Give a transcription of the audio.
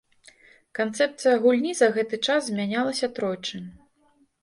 Канцэпцыя гульні за гэты час змянялася тройчы.